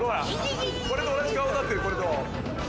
「これと同じ顔になってるこれと」